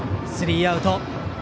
スリーアウト。